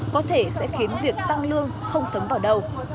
có thể sẽ khiến việc tăng lương không thấm vào đâu